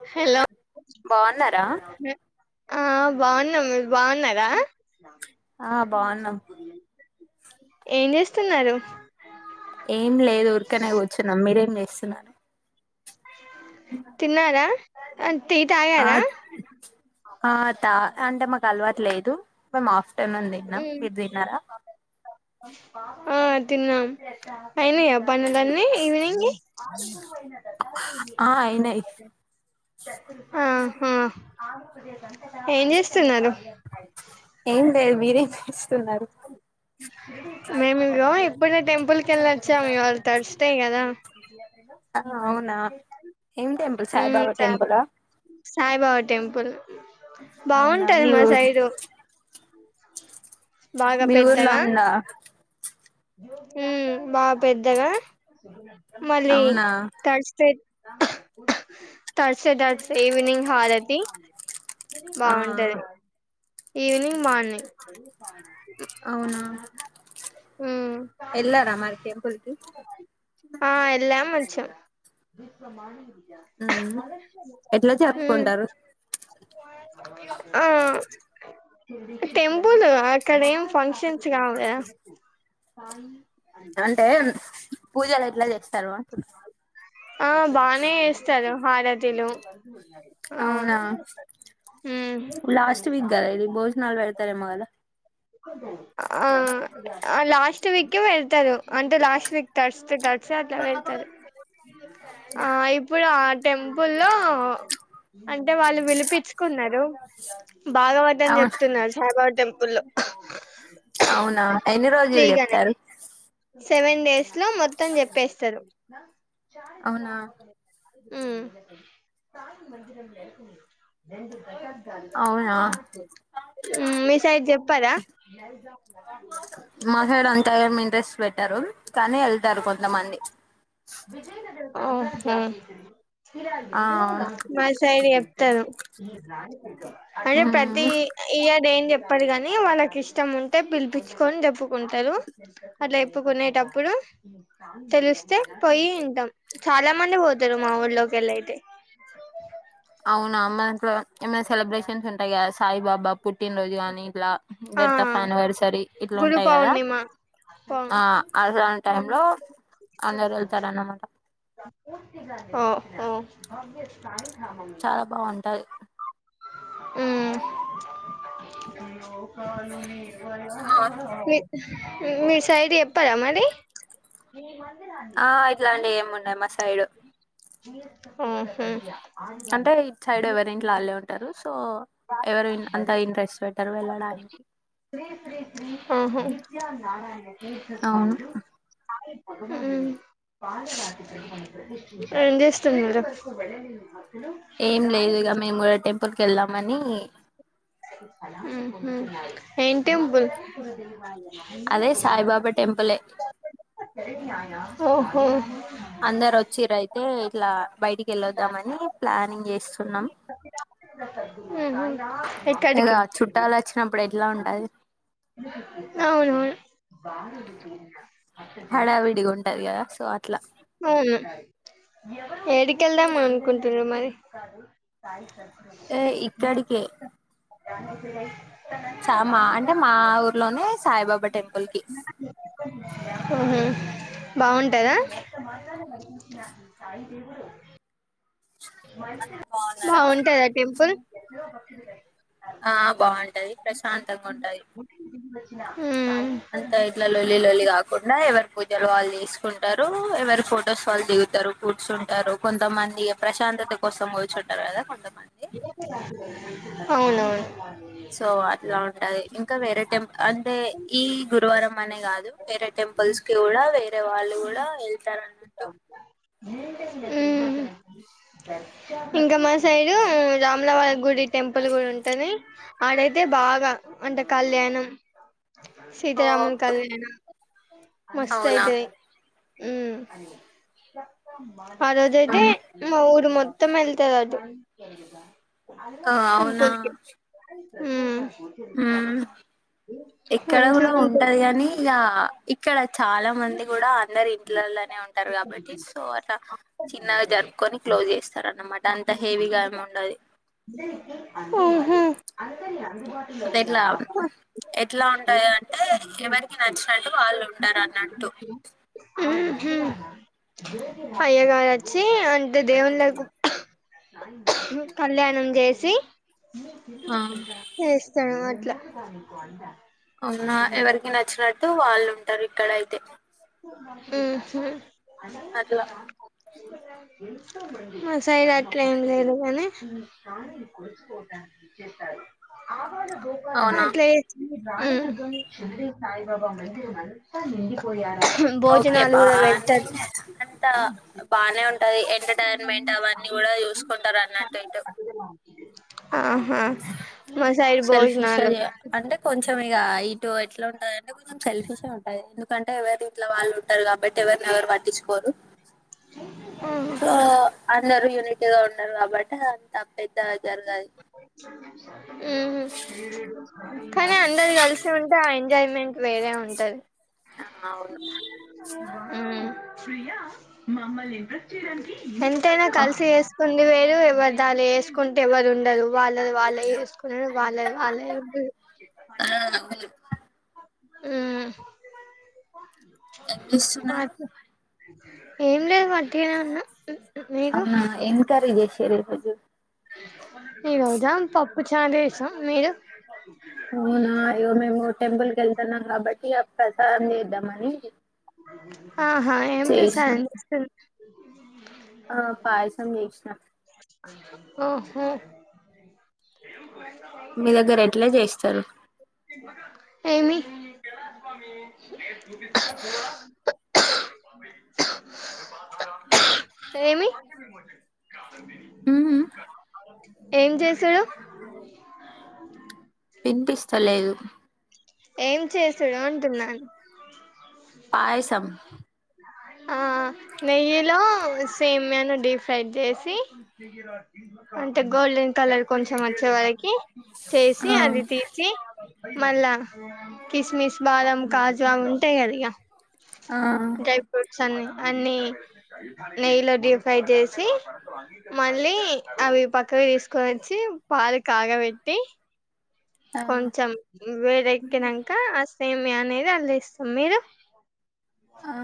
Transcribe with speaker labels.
Speaker 1: Hello
Speaker 2: బాగున్నారా
Speaker 1: ఆ బాగున్నా మీరు బాగున్నారా?
Speaker 2: ఆ బాగున్నాం
Speaker 1: [unintelligible] ఏం చేస్తున్నారు?
Speaker 2: ఏం లేదు ఉరికనే కూర్చున్నాం మీరేమ్ చేస్తున్నాను.
Speaker 1: తిన్నారా అం
Speaker 2: ఆ ఆ త అంటే మాకు అలవాట్లేదు. మా మాఫ్
Speaker 1: ఊ తిన్నాం అయినా పన్నెలని ఈవినింగ్
Speaker 2: ఆ అయినాయి
Speaker 1: ఆహా ఏం చేస్తున్నారు
Speaker 2: ఏం బీరి నారు
Speaker 1: మేము ఇగ ఇప్పుడ టెంపుల్ క వెళ్ళ వచ్చాము వాళ్ళ థర్స్డే కదా
Speaker 2: ఆ అవునా ఏం టెంపుల్
Speaker 1: ఉమ్
Speaker 2: సాయిబాబా
Speaker 1: సా
Speaker 2: టెంపుల్
Speaker 1: సాయిబాబా టెంపల్
Speaker 2: అవునా
Speaker 1: బాగుంటది
Speaker 2: మీ
Speaker 1: మా
Speaker 2: ఊరు
Speaker 1: సైడ్
Speaker 2: మీ ఊర్లో ఉందా
Speaker 1: ఊ బా పెద్దగా మళ్ళీ
Speaker 2: అవునా
Speaker 1: తర్స్డే తర్సేడే తర్స ఈవినింగ్ హారతి
Speaker 2: ఆ
Speaker 1: బాగుంటది ఈవినింగ్ మార్నింగ్
Speaker 2: అవునా ఎల్లారా మరి టెంపుల్ కి
Speaker 1: ఆ ఎలాంచి మార్నింగ్
Speaker 2: ఉ ఎట్లా
Speaker 1: ఉమ్
Speaker 2: చేప్పుకుంటారు
Speaker 1: ఆ టెంపుల్ అక్కడ ఏం ఫంక్షన్స్ కావాలా
Speaker 2: అంటే పూజలు ఎట్లా చేస్తారు అంటున్నారు
Speaker 1: ఆ బానే వస్తారు హారతీలు ఆ
Speaker 2: అవునా
Speaker 1: ఊ
Speaker 2: ఇలి భోజ్నాలు వెళ్తార మగళ
Speaker 1: ఆ లాస్ట్ వీకే వెళ్తారు అంటే లాస్ట్ వీక్ తర్స్త తర్ అట్లా వెళ్తారు ఆ ఇప్పుడు ఆ టెంపుల్లో అంటే వాళ్ళు విలిపించుకున్నారు బాగావద్దని
Speaker 2: అవును
Speaker 1: చెప్తున్నారు సాయిబాబ టెంపు లో
Speaker 2: అవునా ఎన్ని రోజులు
Speaker 1: ఫ్రీగానే
Speaker 2: చెప్తారు
Speaker 1: సెవెన్ డేస్ లో మొత్తం చెప్పేస్తారు చాల
Speaker 2: అవునా
Speaker 1: ఇక్క
Speaker 2: అవునా
Speaker 1: మ్మ్ మీసైడ్ జెప్పారా
Speaker 2: రు కానీ వెళ్తారు కొంతమంది
Speaker 1: ఉహూ
Speaker 2: ఆ అవును
Speaker 1: మా శైడి ఎ తారు అంటే ప్రతి
Speaker 2: ఉమ్
Speaker 1: ఇయ దేన్ చెప్పదు గాని వాళ్ళకి ఇష్టం ఉంటే పిలిపించుకని జప్పుకుంటారు అట్ ప్పుకునేటప్పుడు తెలిస్తే పోయి యింటాం చాలా మంది పోతారు మా ఊళ్లోకి వెళ్ళైతే
Speaker 2: అవునా అమ్మా ఇంట్లో ఏమైనా సెలబ్రేషన్స్ ఉంటాయి కదా సాయిబాబా పుట్టినరోజు కానీ ఇట్లా డెత్ ఆఫ్
Speaker 1: ఆ
Speaker 2: అనివర్సరీ ఇట్లా
Speaker 1: గురు
Speaker 2: ఉంటాయి కదా
Speaker 1: పౌర్ణిమ పౌ
Speaker 2: ఆ అన్ టై లో అందరు వెళ్తారు అన్నమాట
Speaker 1: ఓ
Speaker 2: చాలా బాగుంటాది
Speaker 1: ఉ అవును మీరు సైడ్ చెప్పారా మరి
Speaker 2: ఆ ఇట్లాంటివి ఎం ఉండయి మ సైడు
Speaker 1: ఇ [inaudible] ఉహు
Speaker 2: అంటే ఇటు సైడ్ ఎవరింట్లో వాళ్ళే ఉంటారు సో ఎవరు ఇన్- అంత ఇంట్రెస్ట్ పెట్టరు వెళ్ళడానికి
Speaker 1: శ్రీ శ్రీ నిత్యా నారాయణకీర్తి
Speaker 2: అవును
Speaker 1: స్వామిలు ఏం జేస్తున్నరు
Speaker 2: ఏం లేదు ఇగ మేము కూడా టెంపుల్ కి వెళ్ళాం మనీ
Speaker 1: ఉమ్ హు టెంపుల్
Speaker 2: అదే సాయిబాబా టెంపులే
Speaker 1: ఓ ఉమ్
Speaker 2: అందరు వచ్చిర్రు అయితే ఇట్లా బయటికి వెళ్ళొద్దామని ప్లానింగ్ చే ఉన్నాం
Speaker 1: మ్మ్ హ్మ్
Speaker 2: ఇగ
Speaker 1: ఎక్కడికి
Speaker 2: చుట్టాలు వచ్చినప్పుడు ఎట్లా ఉంటది
Speaker 1: బాగున్నద
Speaker 2: హడావిడిగ ఉంటది కదా సో అట్లా
Speaker 1: అవును ఏడికెళ్దాం అనుకుంటల్లు మరి సాయి చరణ్
Speaker 2: ఏ. ఇక్కడికే
Speaker 1: దాని [unintelligible]
Speaker 2: స్టార్ మా అంటే మా ఊర్లోనే సాయిబాబా టెంపుల్ కి
Speaker 1: ఓహో బాగుంటదా
Speaker 2: అందరు బాగున్నారా
Speaker 1: బాగుంటాందా టెంపుల్. ఎన్నో బంకులుంటే
Speaker 2: ఆ బాగుంటది ప్రశాంతంగా ఉంటది.
Speaker 1: నా
Speaker 2: అంత ఇట్లా లొల్లి లోల్లి కాకుండా ఎవరి పూజలు వాళ్ళు చేసుకుంటారు ఎవరి ఫొటోస్ వాళ్ళు దిగుతారు ఫుడ్స్ ఉంటారు కొంతమంది. ప్రశాంతత కోసం కుచుంటారు కదా కొంతమంది
Speaker 1: అవునవును.
Speaker 2: సో అట్లా ఉంటది ఇంకా వేరే టెంల్ అంటే ఈ గురువారం అనే కాదు వేరే టెంపుల్స్ కి కూడా వేరే వాళ్ళు కూడా వెళ్తారు అన్నట్టు
Speaker 1: ఇంకా మా సైడ్ రాములవారి గుడి టెంపుల్ కూడా ఉంటది ఆడైతే బాగా అంటే కళ్యాణం సీతారామన్ కళ్యాణం మస్త
Speaker 2: అవునా
Speaker 1: అయితది ఉ ఆ రోజైతే ఇక ఊరు మొత్తం మొత్తం వెళ్తాది అటు
Speaker 2: ఆ అవునా
Speaker 1: ఆ
Speaker 2: హమ్ ఇక్కడ కూడా
Speaker 1: మంచిగుంటది
Speaker 2: ఉంటది కాని ఇగా క్కడ చాలా మంది కూడా అందరు ఇంట్లల్లనే ఉంటారు కాబట్టి సో అలా చిన్నగా జరుపుకొని క్లోజ్ చేస్తారు అన్నమాట అంత హెవీగా ఏమి ఉండది
Speaker 1: అంతరియ
Speaker 2: అంటే ఇట్లా ఎట్లా ఉంటాయో అంటే ఎవరికి నచ్చినట్టు వాళ్ళు ఉంటారు అన్న
Speaker 1: ఉహు యా గారు అచ్చి తే దేవుల్లకు కళ్యాణం చేసి
Speaker 2: ఆ
Speaker 1: స్తానామ ట్ల
Speaker 2: అవునా ఎవరికి నచ్చిన ట్టు వాళ్ళు ఉంటారు ఇక్కడయిత్ తే
Speaker 1: ఉహు అదే
Speaker 2: అట్లా
Speaker 1: మా సైడ్ అట్లా ఏం లేదు కానీ
Speaker 2: అవునా
Speaker 1: అట్లే రా చింద సయిబాబా వంది మనషా నిండిపోయారు
Speaker 2: ఓకే బా అంతా బానే ఉం అది ఎంటర్టైన్మెంట్ అవన్నీ కూడా చూసుకుంటారు అన్నట్టు ఇటు
Speaker 1: ఆహా మా సైడ్
Speaker 2: సెల్ఫిష్
Speaker 1: భోజనాలు
Speaker 2: అది అంటే కొంచెం ఇక ఇటు ట్లేఉంట అ కొంచం సెల్ఫిషే ఉంటాది కంటే ఎవరి ఇంట్లో వాళ్ళు ఉంటారు కాబట్టి ఎవరిని ఎవరు పట్టించుకోరు సో అందరు యూనిట్ గా ఉండరు కాబట్టి అంత పెద్ద ఎద్దజారుగాదు
Speaker 1: ఉ కానీ అందరు కలిసి ఉంటే ఆ ఎంజాయ్మెంట్ వేరే ఉంటది
Speaker 2: ఆ అవును
Speaker 1: మ్ ప్రియా మమ్మల్ని ఎంప్రెస్ చేయడానికి ఎంతైనా
Speaker 2: ఆ
Speaker 1: కలిసి వేసుకు వేరు వివధాలు ఉంటే ఎవరు ఉండరు వాళ్ళది వాళ్ళే చేసుకున్నారు వాళ్ళది వాళ్ళే ఉంది
Speaker 2: ఆ, అవును.
Speaker 1: హమ్
Speaker 2: ఎంత ఇస్తున్నారు
Speaker 1: ఏం లేదు మధ్యానం
Speaker 2: అవునా ఏం కర్రీ సరే వద్దు
Speaker 1: ఈరోజు ఏం పప్పు పప్పుచారు జేసినం మీరు
Speaker 2: అవునా అయ్యో మేము కూడ టెంపులేకివెళ్తన్నం కాబట్టి ప్రసాదం చేద్దాంమని
Speaker 1: అవు [unintelligible] ఆహా ఏం ప్రసాదం చేస్తున్నారు
Speaker 2: ఆ పాయసం చేసిన
Speaker 1: ఓహో
Speaker 2: మీ దగ్గర ఎట్లా చేస్తారు
Speaker 1: ఏమి ఏమి
Speaker 2: ఉహు
Speaker 1: అ ఏం చేసాడు
Speaker 2: వినిపిస్తలేదు
Speaker 1: ఏం చేసాడు అంటున్నాను హమ్ ఆహ్
Speaker 2: పాయసం
Speaker 1: అ [unintelligible] ఆ నెయ్యిలో సేమ్యా డిఫ ఫ్రై చేసి అంటే గోల్డెన్ కలర్ కొంచెం వచ్చే వరకి చేసి
Speaker 2: ఆ
Speaker 1: అది తీసి మళ్లా కిస్మిస్ బాదం కాజువా ఉంటాయి కద
Speaker 2: ఆ
Speaker 1: ఇకా డ్రై ఫ్రుట్స్ అన్నీ అన్నిీ నెయ్యిలో డ్యూఫ్రై చేసి మళ్ళీ అవి పక్కకు తీసుకొని వచ్చి పాలు కాగబెట్టి కొంచెం వేరె ఎక్కినాక అ సేమి ది అళ్ళ ఇస్తాం మీరు
Speaker 2: ఆ